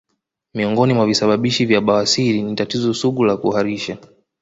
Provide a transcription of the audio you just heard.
Miongoni mwa visababishi vya bawasir ni tatizo sugu la kuharisha